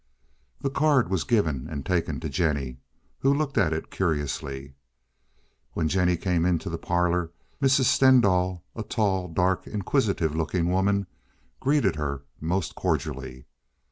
The card was given and taken to Jennie, who looked at it curiously. When Jennie came into the parlor Mrs. Stendahl, a tall dark, inquisitive looking woman, greeted her most cordially.